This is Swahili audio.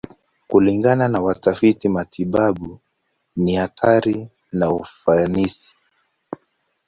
Kulingana na watafiti matibabu, ni hatari na ufanisi.